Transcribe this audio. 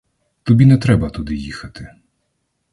Тобі не треба туди їхати.